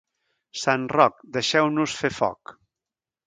Sant Roc, deixeu-nos fer foc.